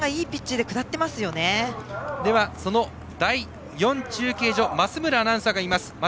では、その第４中継所に増村アナウンサーがいます。